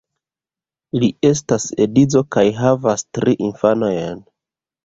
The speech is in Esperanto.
Li estas edzo kaj havas tri infanojn.